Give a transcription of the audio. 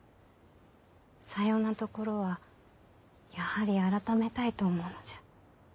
さようなところはやはり改めたいと思うのじゃ。